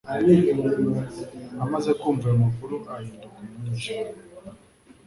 Amaze kumva ayo makuru ahinduka umwijima